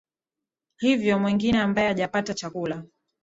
hivyo mwengine ambaye hajapata chakula